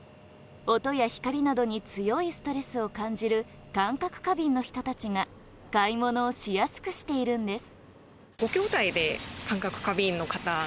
音や光などに強いストレスを感じる感覚過敏の人たちが買い物をしやすくしているんです。